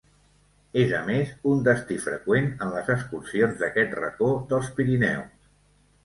És, a més, un destí freqüent en les excursions d'aquest racó dels Pirineus.